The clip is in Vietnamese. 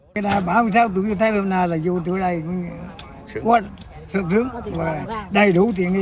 chúng tôi đã bảo ông khanh chúng tôi đã bảo ông khanh chúng tôi đã bảo ông khanh